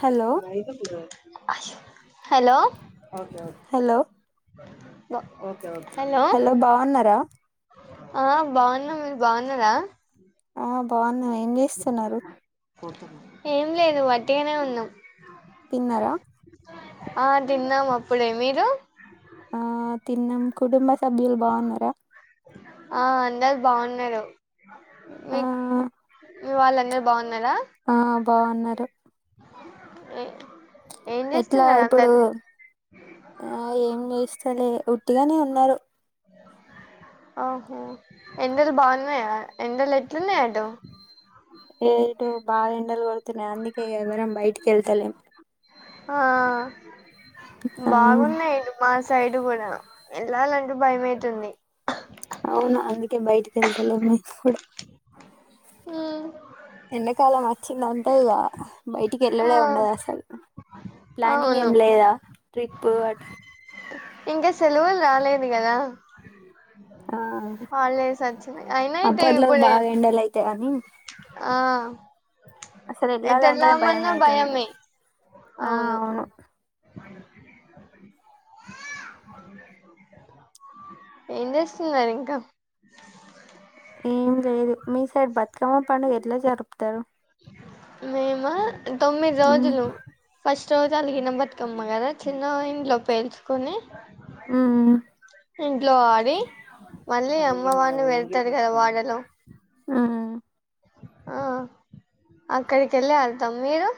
Hello hello okay okay hello hello ఆ బాగున్నం మీరు బాగున్నరా బావున్నం ఏం జేస్తున్నరు ఏం లేదు వట్టిగనే ఉన్నం తిన్నరా ఆ తిన్నాం అప్పుడే మీరు ఆ తిన్నం కుటుంబ సభ్యులు బాగున్నర ఆ అందరు బాగున్నారు ఆ మీక్ మీ వాళ్ళందరు బావున్నరా ఆ బాగున్నారు ఇ ఎట్లా ఇప్పుడు ఆ ఏం చేస్తలే ఉట్టిగనే ఉన్నరు ఎండలు బాగున్నాయా ఎండలు ఎట్లున్నాయ్ అటు ఏ ఇటు బా ఎండల్ గొడుతున్నయ్ అందుకే ఎవ్వరం బయటి కెళ్తలేం ఆ ఆ బాగున్నయ్ ఇటు మా సైడ్ గూడా ఎళ్లాలంటె భయమైతుంది అవును అందుకే బయటికి వెళ్తల మ కూడా ఉమ్, ఎండాకాలం వచ్చిందంతా ఇక బయటికి ఆ వెల్లడే ఉండదు అసలు ప్లానింగ్ ఏం అవును లేదా ట్రిప్పు అటు ఇకా సలవులు రాలేదు కదా అ అ హాలిడేస్ వచ్చినాయి అయినా ఇటు అప్పట్లో ఇప్పుడే బాగా ఎండలు అయితే కానీ ఆ అసలు ఎటు ఎల్ళాలంటే భయం వెళ్దామన్నా అయితుంది భయమే ఆ అవును ఏం చేస్తున్నారు ఇంకా ఏం లేదు మీ సైడ్ బతుకమ్మ పండుగ ఎట్లా జరుపుతారు మేము తొమ్మిది ఉమ్ రోజులు ఫస్ట్ రోజు అలిగిన బతుకమ్మ కదా చిన్న ఇంట్లో పేల్చుకొని ఆ ఇంట్లో ఆడి మళ్ళీ అమ్మ వాడిని వెళ్తాారు కదా వాడలో ఉమ్ ఆ అక్కడికి వెళ్ళి వెదాం మీరు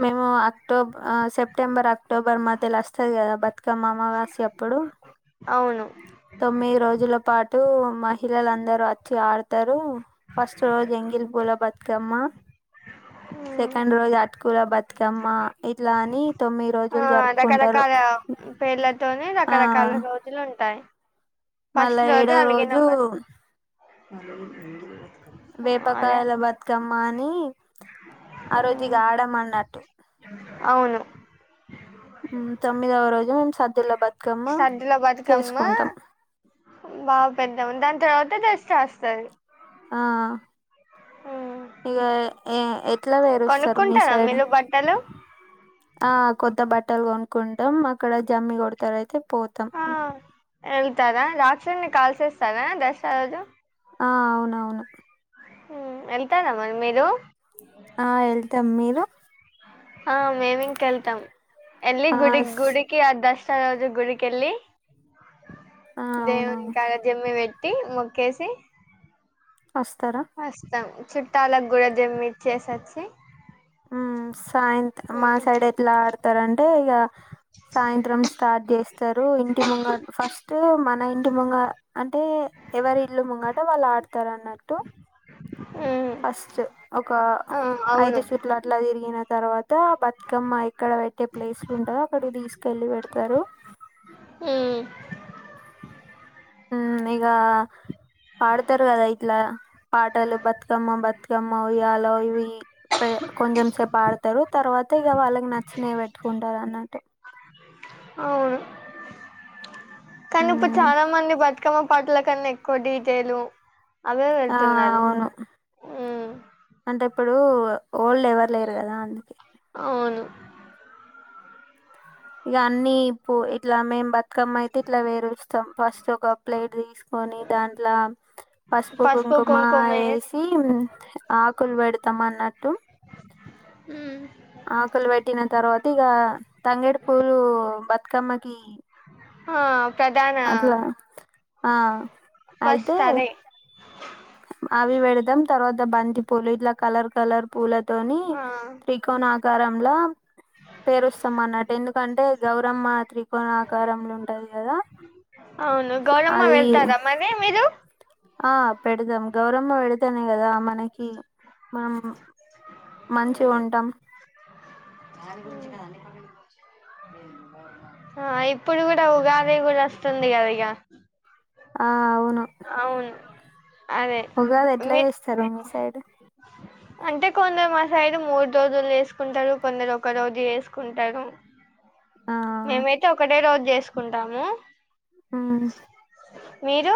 మేము అక్టోబర్ సెప్టెంబర్ అక్టోబర్ మా తెలి వస్తుంది కదా బట్ కమ్ మా అమ వాసి ఎప్పుడు అవును తొమ్మిది రోజుల పాటు మహిళలందరూ వచ్చి ఆడతారు ఫస్ట్ రోజు ఎంగిల్ పూల బతుకమ్మ ఉమ్. సెకండ్ రోజు అటుకుల బతుకమ్మ ఇట్లా అని తొమ్మిది ఆ రోజులు జరుపుకుంటారు రకరకాల పేర్లతోనే ఆ రకరకాల రోజులు ఉంటాయి ఫస్ట్ మళ్ళా రోజ ఏడో అలాగే నా రోజు వేపకాయల బతుకమ్మ అని ఆ రోజుగా ఆడ అన్నట్టు అవును తమ్మిదవ రోజు మేము సర్ద్యల బా సర్దులో బతికమ్మా బాగా పెద్దాము దాని తర్వాత టెస్ట్ రాస్తుంది ఆ ఇకా ఎట్లా వేరుస్త మీ కొనుక్కుంటారా సైడ్ మీరు బట్టలు కొ బట్ట హటలు కొనుకుంటాం అక్కడ జమ్మి కొడతారుయితే పోతాం ఆ వెళ్తారా రాక్షని కాల్సేస్తారా దసరా రోజు ఆ అవునవును వెళ్తారమ్మరి మీరు ఆ వెళ్తాం మీరు ఆ మేమింకా ఏల్తాం ఎల్లి ఆ గుడికి దర్శనం చేసుకుంటాం సరజ గుడికిెళ్లి ఆ దేవుని అవునవును కాాలజమ్మి వెట్ మొక్కేసి వస్తారా వస్తాం చుట్టాలకు కూడా దమి చేసొచ్చి ఉ సాయంత్రం మా ఉమ్, సైడ్ ఎట్లా ఆడతారంటే ఇక సాయంత్రం స్టార్ట్ చేస్తారు ఇంటి ముంగ ఫస్ట్ మన ఇంటి ముంగ అంటే ఎవరి ఇల్లు ముంగట వాళ్ళు ఆడతారు అన్నట్టు ఉమ్ ఫస్ట్ ఒక ఆ అవును ఐదు చుట్ల అట్లా తిరిగిన తర్వాత బతుకమ్మ ఇక్కడ పెట్టే ప్లేస్లు ఉండదు అక్కడికి తీసుకెళ్ళి పెడతారు అ హ ఇకా పాడతారు కదా ఇట్లా పాటలు బతుకమ్మ బతుకమ్మ ఇ్యలో ఇవి కొంచెం సేపు ఆడతారు తర్వాత ఇక వాళ్ళకి నచ్చిన పెట్టుకుంటారు అన్నట్ అవును కానీ ఇప్పుడు చాలా మంది బతుకమ్మ పాటల కన్నా ఎక్కువ డీటెయిలు అవే ఆ వెళ్తున్నారు అవును అంటే ఇప్పుడు ఓల్డ్ ఎవరు లేరు కదా అవును ఇక అన్ని పువ్వులతో ఇట్లా మేం బతుకమ్మ అయితే ఇట్లా పేరుస్తాం ఫస్ట్ ఒక ప్లేట్ తీసుకొని దాంట్లో పసుపు కుంకుమ వేసి ఆకులు పెడతాం అన్నట్టు మ్మ్ ఆకులు పెట్టిన తర్వాత ఇగ తంగేడు పూలు బతుకమ్మకి ఆ ప్రధాన అట్లా ఆ అయితే ఫస్ట్ అదే అవి పెడుతాం తర్వాత బంతి పూలు ఇట్లా కలర్ కలర్ పూలతోని ఆ త్రికోణాకారంలా పేరుస్తాం అన్నట్టు ఎందుకంటే గౌరమ్మ త్రికోణ ఆకారంలో ఉంటది కదా అవును గౌడమ్మ అది పెర్తారా మరి మీరు ఆ పెడుతం గౌరమ్మ పెడుతనే కదా మనకి మనం మంచిగ ఉంటం ఆ ఇప్పుడు కూడా ఉగాది కూడా వస్తుంది కదా ఇగ ఆ అవును అవును అదే ఉగాది ఎట్లా మీకు చేస్తారు మీ సైడ్ అంటే కొందరు మా సైడ్ మూడు రోజులు చేసుకుంటారు కొందరు ఒక రోజు చేసుకుంటారు ఆ మేమైతే ఒకటే రోజు చేసుకుంటాము ఆ మీరు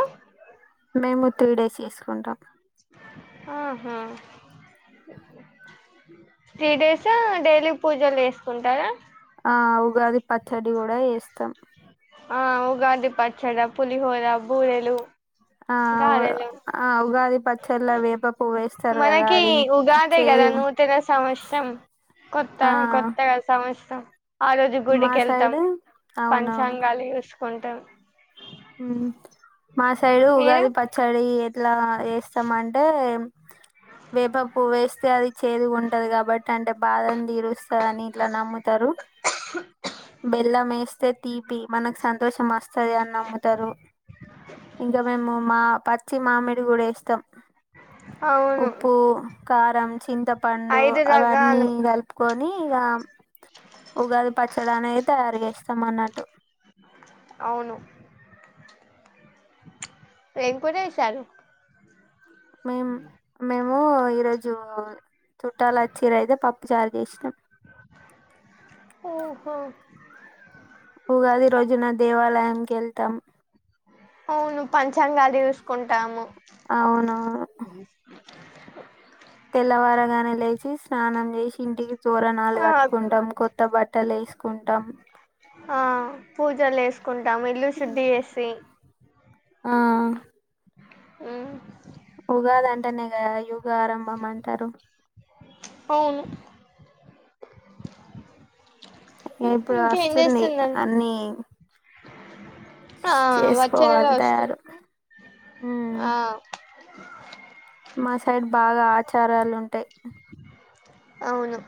మేము త్రీ డేస్ చేసుకుంటాం ఆహా త్రీ డేస్ డైలీ పూజలు చెసుకుంటారా ఆ ఉగాది పచ్చడి కూడా చేస్తాం ఆ ఉగాది పచ్చడ, పులిహోర, బూరెలు గారెలు ఆ ఉగాది పచ్చడి లో వేప పువ్వు వేస్తారు కదా అది చేదు నూతనసంవత్సరం కొత్త ఆ కొత్తగా ఆ రోజు మా గుడికి వెళ్తాం సైడ్ అవునవును పంచాంగాలు చూసుకుంటాం మా సైడు మీరు ఉగాది పచ్చడి ఎట్లా చేస్తామంటే వేప పువ్వు వేస్తే అది చేదు ఉంటది కాబట్టి అంటే బాదను తీరుస్తుంది అని అట్లా నమ్ముతారు బెల్లం వేస్తే తీపి మనకు సంతోషం వస్తది అని నమ్మకం ఇంకా మేము పచ్చి మామిడికాయ కూడా వేస్తాం అవును ఉప్పు కారం చింతపండు ఐదు అవన్నీ రకాలు కలిపి ఇగ ఉగాది పచ్చడి అనేది తయారు చేస్తాం అన్నట్టు అవును ఎక్కువనే ఇచ్చాను మేం మేము ఈరోజు మ్మ్ చుట్టాలు వస్తే పప్పు చారు చేసినాం ఓహో ఉగాది రోజున దేవాలయానికి వెళ్తాం అవును పంచాంగాలు చూసుకుంటాము అవునవును తెల్లవారగానే లేచి స్నానం చేసి ఇంటికి తోరణాలు ఆ కట్టుకుంటాం కొత్త బట్టలు వేసుకుంటాం పూజలు చేసుకుంటాము ఇల్లు శుద్ధి చేేసి ఆ ఆ ఉగాది అంటేనే గద యుగ ఆరంభం అంటారు అవును ఇం- ఇప్పుడు ఇంకేం వస్తుంది చేస్తుందని అన్ని ఆ వచ్చే నెల చేసుకోవాలి వస్తు తయారు ఉమ్ ఆ మా సైడ్ బాగా ఆచారాలు ఉంటాయి అవును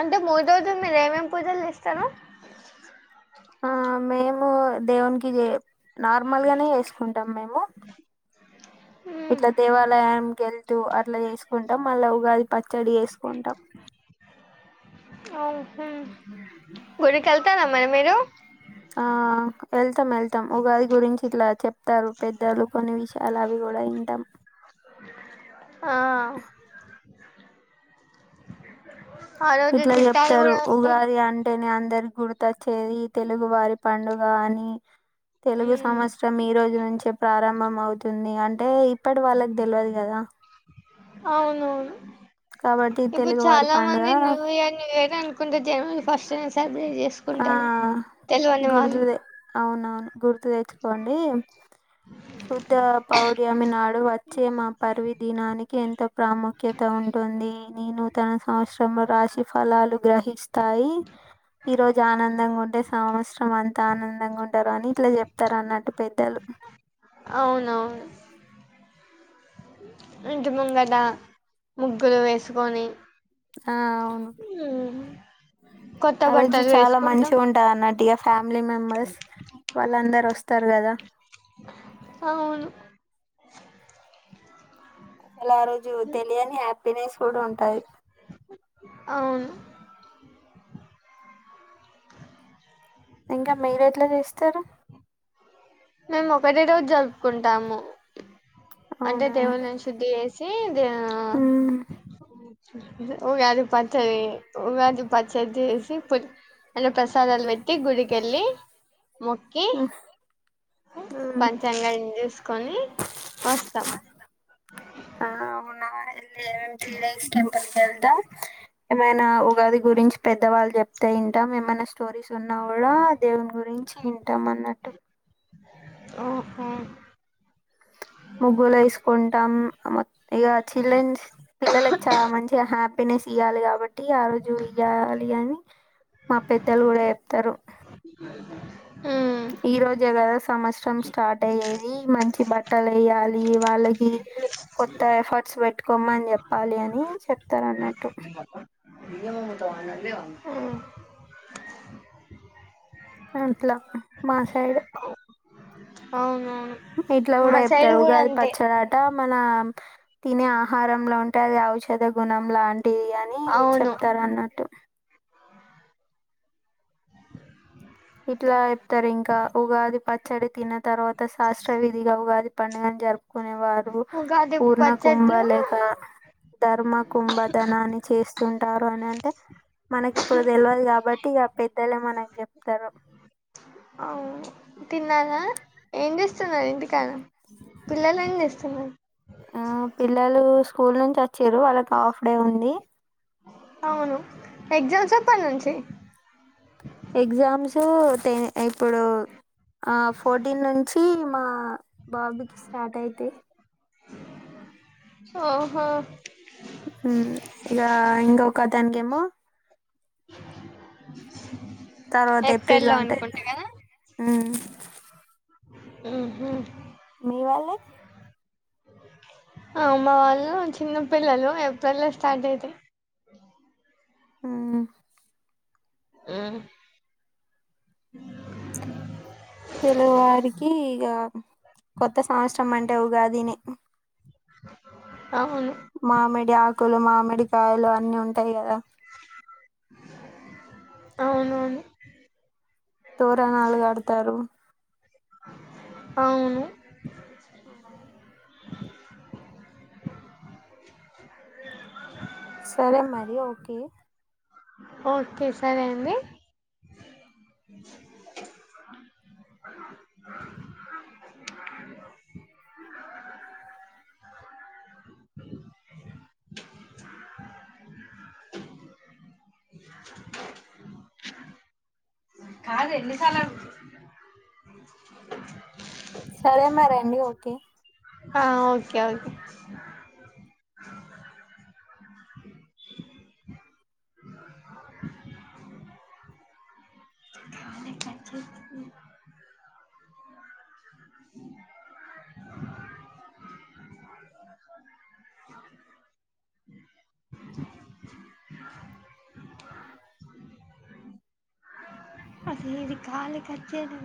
అంటే మూడు రోజులు మీరు ఏమేమి పూజలు చేస్తరు ఆ మేము దేవునికి జేయం నార్మల్గానే చేసుకుంటాం మేము మ్మ్ ఇట్లా దేవాలయంకు వెళ్తూ అట్లా చేసుకుంటాం వసుకుంటాం మళ్ళఉగాది పచ్చడి చేసుకుంటాం హ గుడికి వెళ్తార మరి మీరు ఆ వెళ్తాం వెళ్తాం వెళ్తాం ఉగాది గురించి ఇట్లా చెప్తారు పెద్దలు కొన్ని విషయాలు అవి కూడా వింటాం ఆ ఆ రోజు ఇట్లా చుట్టాలు చెప్తారు కూడా వస్తారు ఉగాది అంటేనే అందరు గుర్తొచ్చేది తెలుగు వారి పండుగ అని తెలుగు మ్మ్ సంవత్సరం ఈ రోజు నుంచే ప్రారంభం అవుతుంది అంటే ఇప్పటి వాళ్ళకు తెల్వదు కదా అవునవును. కాబట్టి ఇప్పుడు తెలుగు వారి చాలా పండుగ మంది న్యూ ఇయర్ న్యూ ఇయర్ అనుకుంటు కుంటు జనవరి ఫస్ట్ సె ఆ వాళ్ళు గుర్దుదె అవునవును గుర్తు తెచ్చుకోండి. శుద్ధ పౌడ్యమి నాడు వచ్చే మా పర్విదినానికి ఎంతో ప్రాముఖ్యత ఉంటుంది నేను తన [unintelligible] సంవత్సరం రాశి ఫలాలు గ్రహిస్తాయి. ఈ రోజు ఆనందంగా ఉంటే సంవత్సరం అంతా ఆనందంగా ఉంటారు. అని ఇట్లా చెప్తారు అన్నట్టు పెద్దలు. అవునవును. ఇంటి ముంగట ముగ్గులు వేసుకొని. ఆ అవును. కొత్త ఆ రోజు బట్టలు చాలా వేసుకుంటాం మంచిగ ఉంటది అన్నట్టు. ఇక ఫ్యామిలీ మెంబర్స్ వాళ్ళందరు వస్తారు కదా. అవును. అసలు ఆ రోజు తెలియని హ్యాపీనెస్ కూడా ఉంటాది. అవును [inaudible] ఇంకా మీరు ఎట్లా చేస్తారు. మేము ఒకటే రోజు జరుపుకుంటాము అంటే అవునా దేవుళ్ళ ని శుద్ధి చేసి దే ఉమ్ ఉగాది పచ్చడి ఉగాది పచ్చడి చేసి అన్న ప్రసాదాలు పెట్టి గుడి కెళ్లి మొక్కి ఉమ్ ఉమ్. పంచాంగం చూసుకొని వస్తాం. ఆ అవునా ఇ త్రి డేస్ టెంపుల్ కెళ్తామ్. ఏమైనా ఉగాది గురించి పెద్దవాళ్ళు చెప్తే వింటాం. ఏమైనా స్టోరీస్ ఉన్నా కూడా దేవుని గురించి వింటాం అన్నట్టు ఓహో ముగ్గులు వేసుకుంటాం. మొ ఇక చిల్డ్రన్స్ పిల్లలకి చాలా మంచిగ హ్యాపీ నెస్ ఇయాలి కాబట్టి ఆ రోజు ఇయాలి అని మా పెద్దలు కూడా చెప్తారు. ఉమ్ ఈ రోజే కదా సంవత్సరం స్టార్ట్ అయ్యేది. మంచి బట్టలు బట్టలు వేయాలి. వాళ్ళకి కొత్త ఎఫర్ట్స్ పెట్టుకోమని చెప్పాలి అని చెప్తారు. అన్నట్టు ఏంది అక్క. బియ్యం అమ్ముతావా [unintelligible] అట్లా మా సైడు. అవునవును. ఇట్లా మా కూడా సైడ్ చెప్తారు కూడా ఉగాది అంతే పచ్చడాట మన తినే ఆహారంలో ఉంటే అది ఔషధ గుణం లాంటిది అని అవును చెప్తారు అన్నట్టు ఇట్లా చెప్తారు ఇంకా ఉగాది పచ్చడి తిన్న తర్వాత శాస్త్ర విధిగా ఉగాది పండుగను జరుపుకునే వారు ఉగాది పూర్ణ కుంభ పచ్చట్లు లేక ధర్మ కుంభధనాన్ని చేస్తుంటారు అని అంటే మనకి ఇప్పుడు తెల్వదు కాబట్టి ఇగ పెద్దలే మనకి చెప్తారు. అవు తిన్నారా ఏం చేస్తున్నారు ఇంటికాడ పిల్లలు ఏం చేస్తున్నారు. ఆ పిల్లలు స్కూల్ నుంచి వచ్చీరు. వాళ్ళకి హాఫ్ డే ఉంది. అవును ఎగ్జామ్ ఎప్పటి నుంచి ఎగ్జామ్స్ టే ఇప్పుడు ఆ ఫోర్టీన్ నుంచి మా బాబుకి స్టార్ట్ అయితాయి. ఓహో తనకేమో తర్వాత ఏప్రిల్ లో ఉంటాయి అనుకుంటా కదా ఊ ఉ హా మీ వాళ్ళ ఆ మా వాళ్ళు చిన్నపిల్లలు ఏప్రిల్లో స్టార్ట్ అయితాయి ఉ ఉ తెలుగువారికి ఇక కొత్త సంవత్సరం అంటే ఉగాదినే రిపేర్ సౌండ్ మామిడి ఆకులు మామిడి కాయలు అన్ని ఉంటాయి కదా అవునవును తోరనాలుగడతారు అవును ఆ సరే మరి ఓకే ఓకే సరే అండి రిపేర్ సౌండ్ బోళ్ల సౌండ్ కాదు ఎన్ని సార్లు అడుగుతావ్ సరే మరండి ఓకే ఆ ఓకే ఓకే ఎట్లా వచ్చింది బోళ్ల సౌండ్ అసలు ఇది కాళ్లు గజ్జలు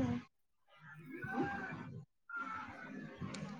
ఆ నెంబర్ డయల్